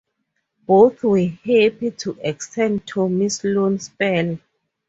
Both were happy to extend Tommy's loan spell.